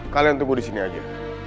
kalian tunggu disini aja